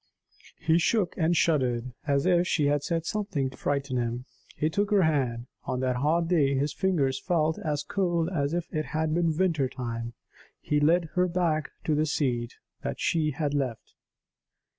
He shook and shuddered, as if she had said something to frighten him. He took her hand. On that hot day, his fingers felt as cold as if it had been winter time. He led her back to the seat that she had left.